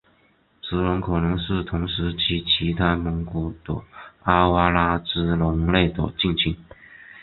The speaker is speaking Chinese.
足龙可能是同时期其他蒙古的阿瓦拉慈龙类的近亲。